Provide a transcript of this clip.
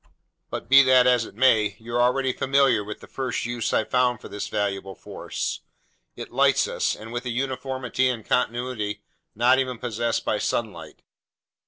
"But be that as it may, you're already familiar with the first use I've found for this valuable force. It lights us, and with a uniformity and continuity not even possessed by sunlight.